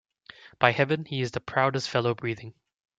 By heaven, he is the proudest fellow breathing.